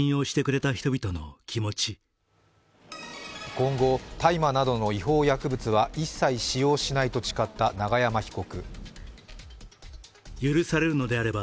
今後、大麻などの違法薬物は一切使用しないと誓った永山被告。